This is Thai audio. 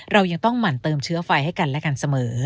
เรายังต้องหมั่นเติมเชื้อไฟให้กันและกันเสมอ